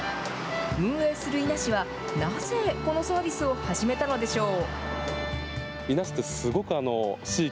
運営する伊那市は、なぜこのサービスを始めたのでしょう。